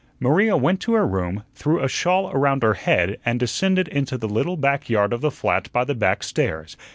Maria went to her room, threw a shawl around her head, and descended into the little back yard of the flat by the back stairs.